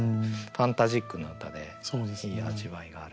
ファンタジックな歌でいい味わいがある。